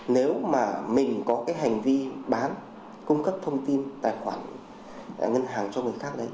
nếu mà mình có hành vi bán cung cấp thông tin tài khoản ngân hàng cho người khác